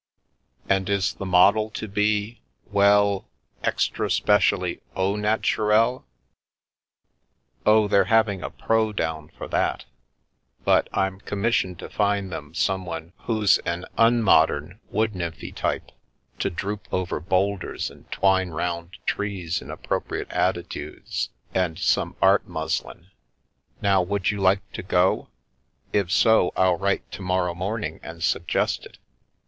"And is the model to be — well, extra specially au naturir " "Oh, they're having a 'pro' down for that. But I'm commissioned to find them someone who's an un 100 The Babes in St, John's Wood modern wood nymphy type, to droop over boulders and twine round trees in appropriate attitudes and some art muslin. Now, would you like to go? If so, I'll write to morrow morning and suggest it.